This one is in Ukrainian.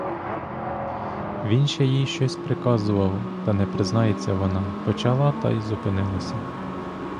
Він ще їй щось приказував, та не признається вона, — почала та й зупинилася.